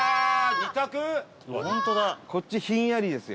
伊達：こっち、ひんやりですよ。